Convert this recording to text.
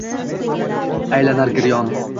Aylanar giryon